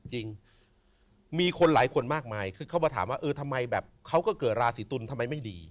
จริงมีคนหลายคนมากมายคือเขามาถามว่าเออทำไมแบบเขาก็เกิดราศีตุลทำไมไม่ดี